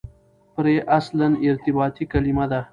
پرې اصلاً ارتباطي کلیمه ده.